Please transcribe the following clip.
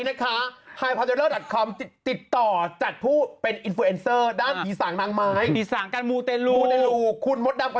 เอาเลยอันดับหนึ่ง